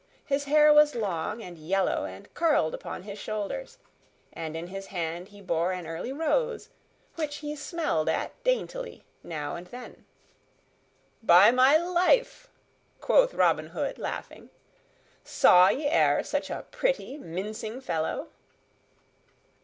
His hair was long and yellow and curled upon his shoulders, and in his hand he bore an early rose, which he smelled at daintily now and then. "By my life!" quoth Robin Hood, laughing, "saw ye e'er such a pretty, mincing fellow?"